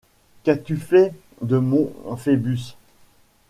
Qu’as-tu fait de mon Phœbus ?